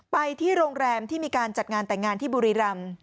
ไปที่โรงแรมที่มีการจัดงานแต่งงานที่บุรีรำ